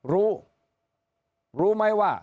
รู้รู้ไหมว่า